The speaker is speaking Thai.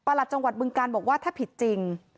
หลัดจังหวัดบึงการบอกว่าถ้าผิดจริง